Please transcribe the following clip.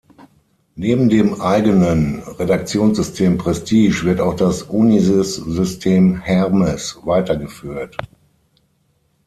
Neben dem eigenen Redaktionssystem Prestige wird auch das Unisys-System Hermes weitergeführt.